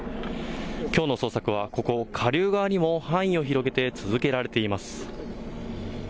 きょうの捜索はここ下流側にも範囲を広げて続けられています。